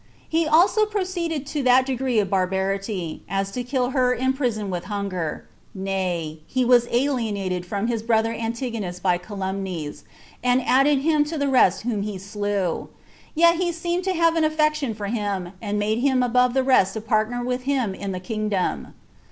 He also proceeded to that degree of barbarity, as to kill her in prison with hunger; nay, he was alienated from his brother Antigonus by calumnies, and added him to the rest whom he slew; yet he seemed to have an affection for him, and made him above the rest a partner with him in the kingdom.